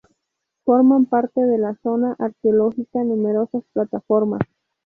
Forman parte de la zona arqueológica numerosas plataformas.